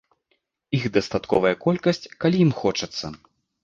Іх дастатковая колькасць, калі ім хочацца.